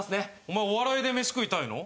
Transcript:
お前お笑いでメシ食いたいの？